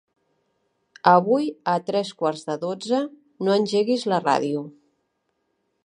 Avui a tres quarts de dotze no engeguis la ràdio.